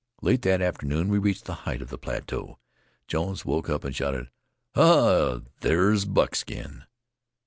Late that afternoon, as we reached the height of the plateau, Jones woke up and shouted: "Ha! there's Buckskin!"